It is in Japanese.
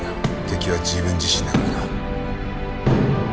敵は自分自身だからな。